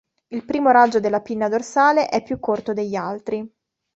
Il primo raggio della pinna dorsale è più corto degli altri.